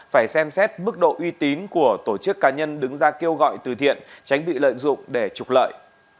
phải xem xét mức độ uy tín của tổ chức cá nhân đứng ra kêu gọi từ thiện tránh bị lợi dụng để trục lợi